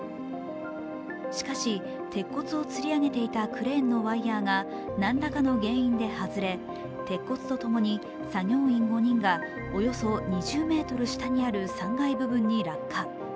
しかし、鉄骨をつり上げていたクレーンのワイヤーが何らかの原因で外れ鉄骨とともに作業員５人がおよそ２０ｍ下にある３階部分に落下。